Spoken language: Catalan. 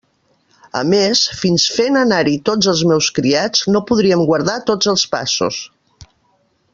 A més, fins fent anar-hi tots els meus criats, no podríem guardar tots els passos.